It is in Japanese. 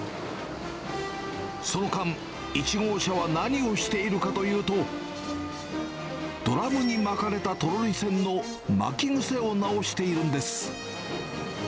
その間、１号車は何をしているかというと、ドラムに巻かれたトロリ線の巻き癖を直しているんです。